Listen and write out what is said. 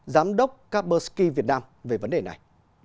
giám đốc carperski việt nam về vấn đề này